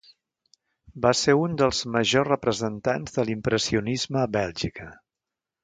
Va ser un dels majors representants de l'impressionisme a Bèlgica.